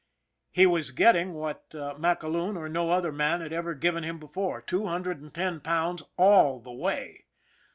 He was getting what MacAloon or no other man had ever given him before two hundred and ten pounds all the way.